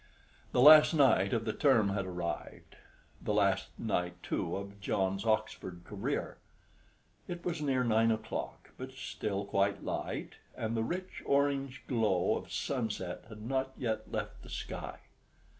The last night of the term had arrived, the last night too of John's Oxford career. It was near nine o'clock, but still quite light, and the rich orange glow of sunset had not yet left the sky.